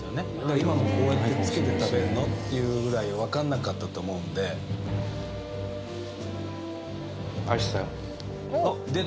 今もこうやってつけて食べんの？っていうぐらい分かんなかったと思うんで出た！